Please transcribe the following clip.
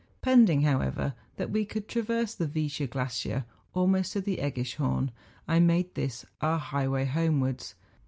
Pend¬ ing, however, that we could traverse tlie Viescher glacier almost to the Eggischhorn, I made this our highway homewards.